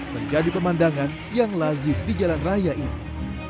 menjadi pemandangan yang lazim di jalan raya ini